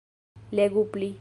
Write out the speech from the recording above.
Legu pli.